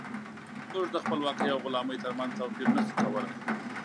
موږ د خپلواکۍ او غلامۍ ترمنځ توپير نشو کولی.